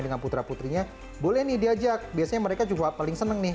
dengan putra putrinya boleh nih diajak biasanya mereka juga paling seneng nih